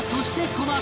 このあと